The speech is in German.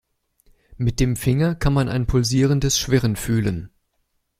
Mit dem Finger kann man ein pulsierendes Schwirren fühlen.